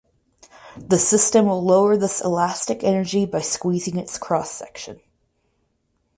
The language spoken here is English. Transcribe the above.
The system will lower this elastic energy by squeezing its cross section.